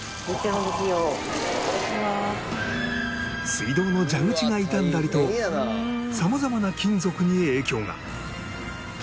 水道の蛇口が傷んだりと様々な金属に影響が。